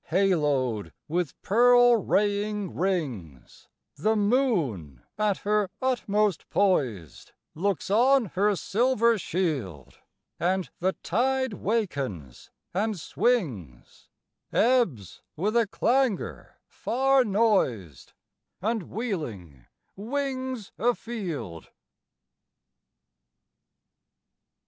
Haloed with pearl raying rings The moon, at her utmost poised, Looks on her silver shield; And the tide wakens and swings Ebbs with a clangor far noised And wheeling wings afield.